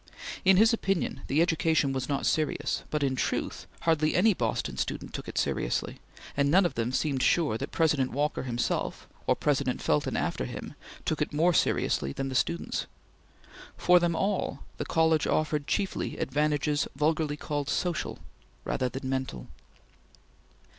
In his opinion the education was not serious, but in truth hardly any Boston student took it seriously, and none of them seemed sure that President Walker himself, or President Felton after him, took it more seriously than the students. For them all, the college offered chiefly advantages vulgarly called social, rather than mental.